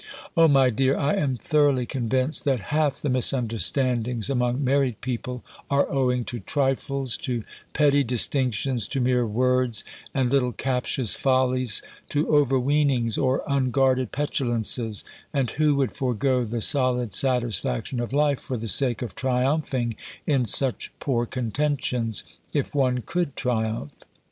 O my dear, I am thoroughly convinced, that half the misunderstandings, among married people, are owing to trifles, to petty distinctions, to mere words, and little captious follies, to over weenings, or unguarded petulances: and who would forego the solid satisfaction of life, for the sake of triumphing in such poor contentions, if one could triumph?